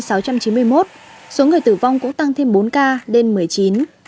số người tử vong cũng tăng thêm bốn ca lên một mươi chín